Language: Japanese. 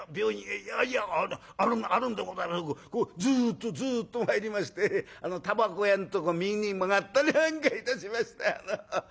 いやいやあるんでございますがずっとずっと参りましてたばこ屋のとこ右に曲がったりなんかいたしましてあの屋根のある」。